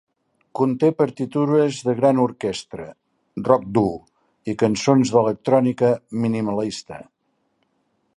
Conté partitures de gran orquestra, rock dur i cançons d'electrònica minimalista.